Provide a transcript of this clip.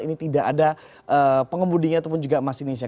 ini tidak ada pengemudinya ataupun juga masinisnya